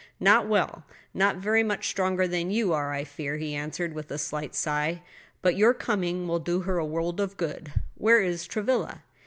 "Not well, not very much stronger than you are, I fear," he answered, with a slight sigh. "But your coming will do her a world of good. Where is Travilla?"